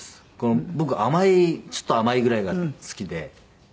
僕甘いちょっと甘いぐらいが好きで。